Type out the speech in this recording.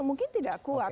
mungkin tidak kuat